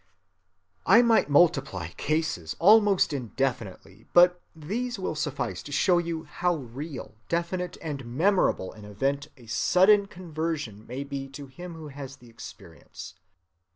I might multiply cases almost indefinitely, but these will suffice to show you how real, definite, and memorable an event a sudden conversion may be to him who has the experience.